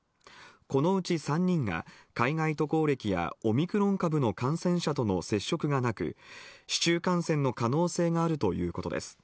このうち３人が海外渡航歴やオミクロン株の感染者との接触がなく市中感染の可能性があるということです。